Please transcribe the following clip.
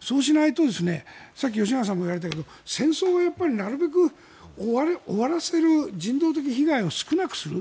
そうしないとさっき吉永さんも言われたけど戦争はやっぱりなるべく終わらせる人道的被害を少なくする。